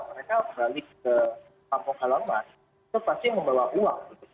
mereka balik ke kampung halaman itu pasti membawa uang